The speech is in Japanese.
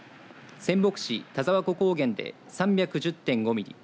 仙北市田沢湖高原で３１０．５ミリ